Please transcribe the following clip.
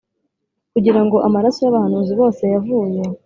kugira ngo amaraso y abahanuzi bose yavuye